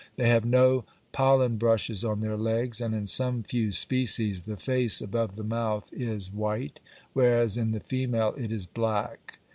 They have no pollen brushes on their legs, and in some few species the face above the mouth is white, whereas in the female it is black.